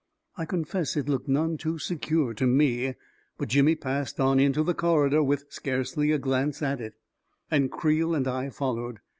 I confess it looked none too secure to me; but Jimmy passed on into the corridor with scarcely a glance at it, and Creel and I followed.